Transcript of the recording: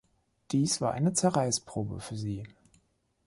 Dies war eine Zerreißprobe für Sie.